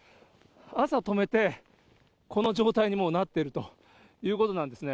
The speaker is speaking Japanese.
朝止めて、この状態に、もうなっているということなんですね。